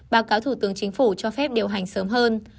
báo cáo thủ tướng chính phủ cho phép điều hành sớm hơn